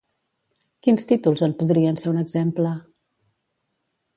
Quins títols en podrien ser un exemple?